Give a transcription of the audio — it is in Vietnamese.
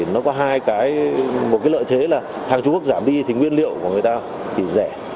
nó có hai cái một cái lợi thế là hàng trung quốc giảm đi thì nguyên liệu của người ta thì rẻ